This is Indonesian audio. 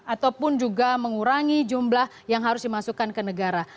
ataupun juga mengurangi jumlah yang harus dimasukkan ke negara